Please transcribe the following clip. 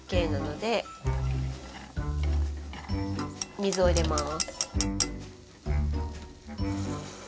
水を入れます。